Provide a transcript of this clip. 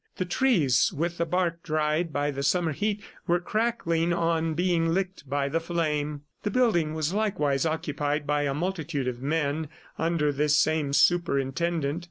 The trees, with the bark dried by the summer heat, were crackling on being licked by the flame. The building was likewise occupied by a multitude of men under this same superintendent.